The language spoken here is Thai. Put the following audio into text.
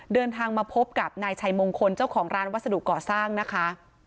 เดินทางมาพบกับนายชัยมงคลเจ้าของร้านวัสดุก่อสร้างนะคะ